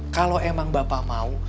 kalau emang bapak mau